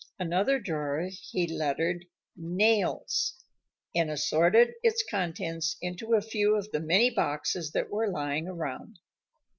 Another drawer he lettered NAILS, and assorted its contents into a few of the many boxes that were lying around.